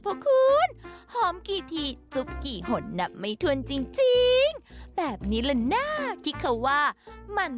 เป็นเด็กดีเนอะไม่มีคนเสร็จได้ดูกัน